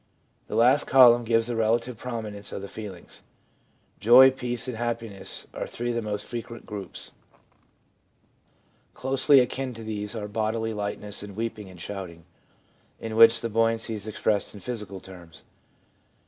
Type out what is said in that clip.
The last column gives the relative prominence of the feelings. Joy, peace and happiness are three of the most frequent groups. Closely akin to these are bodily lightness and weeping and shouting, in which the buoy ancy is expressed in physical terms.